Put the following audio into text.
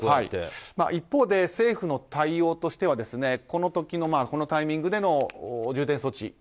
一方で政府の対応としてはこの時のこのタイミングでの重点措置